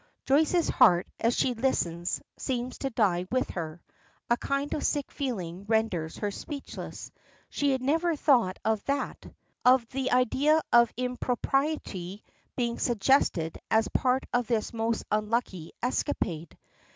Joyce's heart, as she listens, seems to die within her. A kind of sick feeling renders her speechless; she had never thought of that of of the idea of impropriety being suggested as part of this most unlucky escapade.